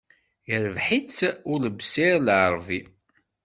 Irbeḥ-itt Ulebsir Lɛarbi.